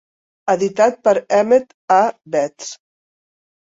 Editat per Emmett A. Betts.